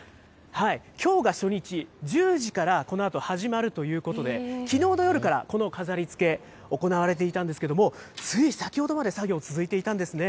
きょうが初日、１０時からこのあと始まるということで、きのうの夜からこの飾りつけ、行われていたんですけれども、つい先ほどまで作業、続いていたんですね。